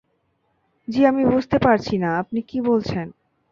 জি আমি কিছু বুঝতে পারছি না আপনি কি বলছেন।